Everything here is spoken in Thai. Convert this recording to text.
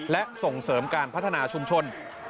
และส่งเสริมการพัฒนาชุมชน